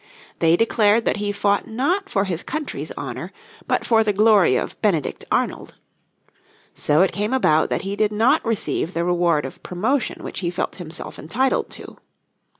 They declared that he fought not for his country's honour but for the glory of Benedict Arnold. So it came about that he did not receive the reward of promotion which he felt himself entitled to.